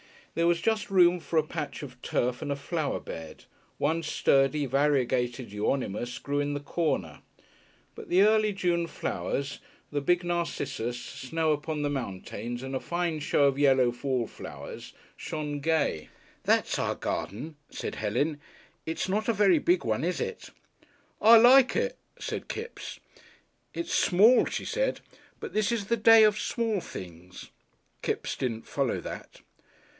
There was just room for a patch of turf and a flower bed; one sturdy variegated Euonymus grew in the corner. But the early June flowers, the big narcissus, snow upon the mountains, and a fine show of yellow wallflowers shone gay. "That's our garden," said Helen. "It's not a very big one, is it?" "I like it," said Kipps. "It's small," she said, "but this is the day of small things." Kipps didn't follow that.